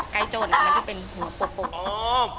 ไก่โจทย์มันจะเป็นหัวปกปก